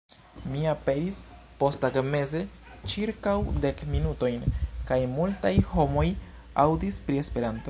Mi aperis posttagmeze ĉirkaŭ dek minutojn, kaj multaj homoj aŭdis pri Esperanto.